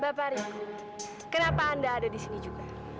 bapak ari kenapa anda ada di sini juga